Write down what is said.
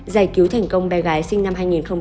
giải cứu thành công bé gái sinh năm hai nghìn một mươi một